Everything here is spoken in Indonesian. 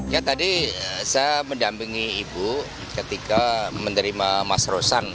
ya tadi saya mendampingi ibu ketika menerima mas rosan